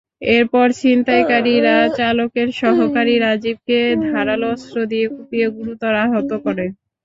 এরপর ছিনতাইকারীরা চালকের সহকারী রাজিবকে ধারালো অস্ত্র দিয়ে কুপিয়ে গুরুতর আহত করে।